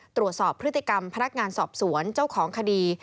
ตรวจสอบพฤติกรรมพนักงานสอบสวนเจ้าของคดี